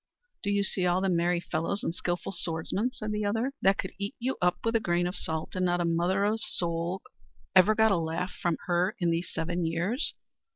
"Do you see all them merry fellows and skilful swordsmen," said the other, "that could eat you up with a grain of salt, and not a mother's soul of 'em ever got a laugh from her these seven years?"